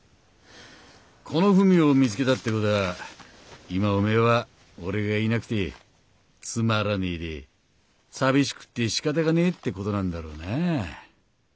この文を見つけたってことは今おめえは俺がいなくてつまらねぇで寂しくってしかたがねぇってことなんだろうなぁ。